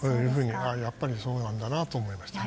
やっぱりそうなんだなと思いました。